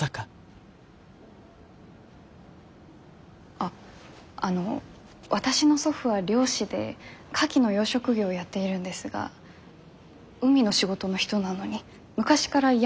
あっあの私の祖父は漁師でカキの養殖業をやっているんですが海の仕事の人なのに昔から山に木を植えてたんです。